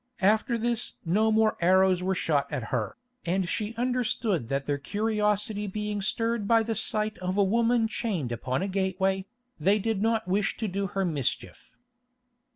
After this no more arrows were shot at her, and she understood that their curiosity being stirred by the sight of a woman chained upon a gateway, they did not wish to do her mischief.